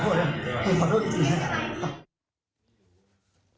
ขอโทษจริง